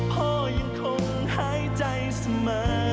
พ่อยังคงหายใจเสมอ